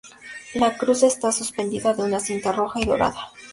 La cruz está suspendida de una cinta roja y dorada.